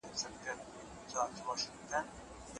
طبیعي سرچینو ته لاسرسی ډېر مهم دی.